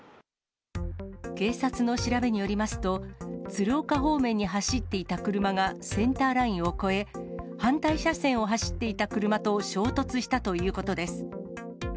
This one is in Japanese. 警察の調べによりますと、鶴岡方面に走っていた車がセンターラインを越え、反対車線を走っていた車と衝突したということです。